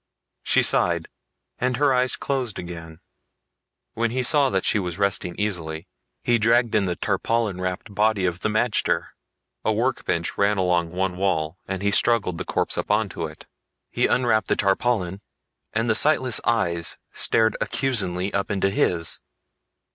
She sighed and her eyes closed again. When he saw she was resting easily, he dragged in the tarpaulin wrapped body of the magter. A work bench ran along one wall and he struggled the corpse up onto it. He unwrapped the tarpaulin and the sightless eyes stared accusingly up into his.